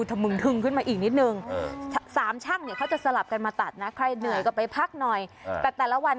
แต่เด็กก็ดิจัยใหญ่เลยเนี่ยตัดกับซูเปอร์ฮีโร